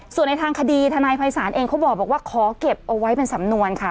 ส่วนในทางคดีทนายภัยศาลเองเขาบอกว่าขอเก็บเอาไว้เป็นสำนวนค่ะ